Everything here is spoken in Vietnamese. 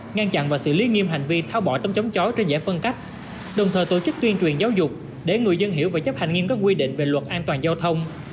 ngăn chặn và xử lý nghiêm hành vi tháo bỏ tấm chống chói trên giải phân cách đồng thời tổ chức tuyên truyền giáo dục để người dân hiểu và chấp hành nghiêm các quy định về luật an toàn giao thông